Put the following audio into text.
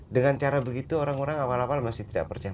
dengan cara begitu orang orang awal awal masih tidak percaya